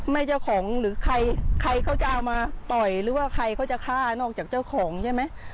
เจ้าของหรือใครใครเขาจะเอามาต่อยหรือว่าใครเขาจะฆ่านอกจากเจ้าของใช่ไหม